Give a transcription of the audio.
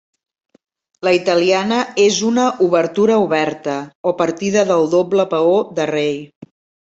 La italiana és una obertura oberta, o partida del doble peó de rei.